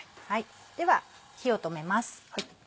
では火を止めます。